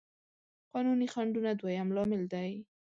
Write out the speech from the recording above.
قانوني خنډونه دويم لامل دی.